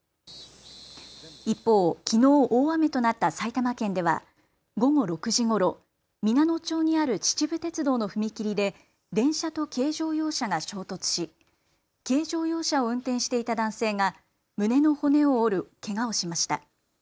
一方、きのう大雨となった埼玉県では午後６時ごろ皆野町にある秩父鉄道の踏切で電車と軽乗用車が衝突し、軽乗用車を運転していた男性が胸の骨を折るけがをしました。